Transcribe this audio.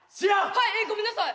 はい！えごめんなさい。